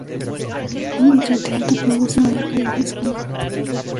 Un bitrate alto produce mayor calidad de sonido